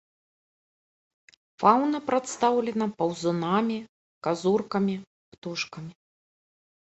Фаўна прадстаўлена паўзунамі, казуркамі, птушкамі.